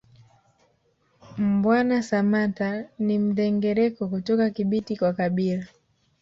Mbwana Samatta ni Mndengereko kutoka Kibiti kwa kabila